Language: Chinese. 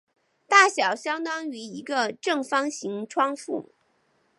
大小相当于一个正方形窗户。